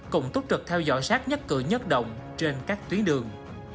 cũng tốt trực theo dõi sát nhất cử nhất động trên các tuyến đường